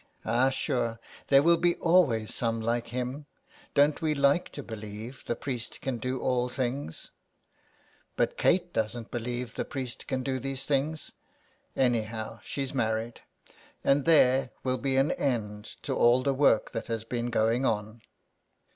" Ah, sure there will be always some like him. Don't we like to believe the priest can do all things." '' But Kate doesn't believe the priest can do these things. Anyhow she's married, and there will be an end to all the work that has been going on."